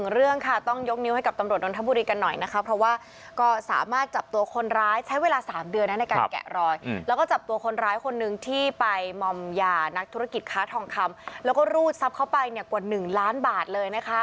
เรื่องค่ะต้องยกนิ้วให้กับตำรวจนนทบุรีกันหน่อยนะคะเพราะว่าก็สามารถจับตัวคนร้ายใช้เวลา๓เดือนนะในการแกะรอยแล้วก็จับตัวคนร้ายคนนึงที่ไปมอมยานักธุรกิจค้าทองคำแล้วก็รูดทรัพย์เข้าไปเนี่ยกว่า๑ล้านบาทเลยนะคะ